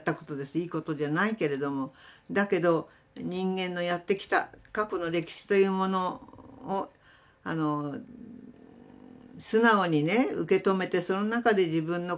いいことじゃないけれどもだけど人間のやってきた過去の歴史というものを素直にね受け止めてその中で自分の考えというものを決めたいですよね。